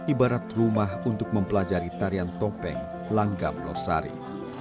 ibarat rumah untuk mempelajari tarian topeng langgam losari